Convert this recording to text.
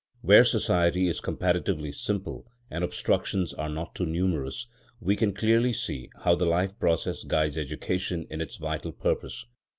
Where society is comparatively simple and obstructions are not too numerous, we can clearly see how the life process guides education in its vital purpose.